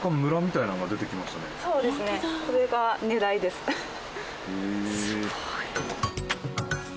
すごい。